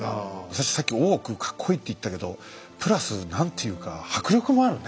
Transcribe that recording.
私さっき大奥かっこいいって言ったけどプラス何ていうか迫力もあるね。